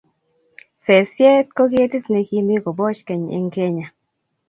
Sesie ko ketit ne kimii koboch keny eng Kenya.